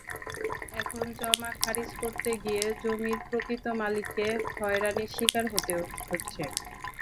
এখন জমা খারিজ করতে গিয়ে জমির প্রকৃত মালিককে হয়রানির শিকার হতে হচ্ছে।